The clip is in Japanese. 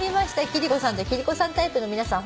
貴理子さんと貴理子さんタイプの皆さん